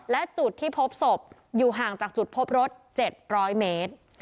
และจุดที่พบศพอยู่ห่างจากจุดพบรถ๗๐๐เมตร